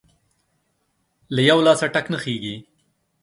له يوه لاسه ټک نه خيږى.